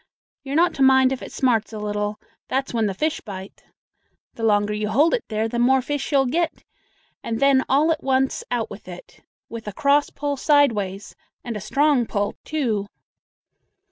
You're not to mind if it smarts a little; that's when the fish bite. The longer you hold it there, the more fish you'll get; and then all at once out with it, with a cross pull side ways and a strong pull, too."